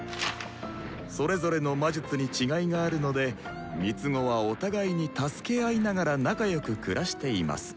それぞれの魔術に違いがあるので３つ子はお互いに助け合いながら仲良く暮らしています。